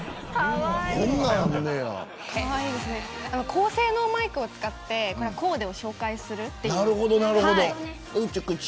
高性能マイクを使ってコーデを紹介する。